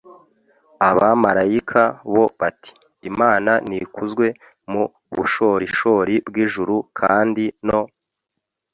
abamalayika bo bati:”imana nikuzwe mu bushorishori bw’ijuru kandi no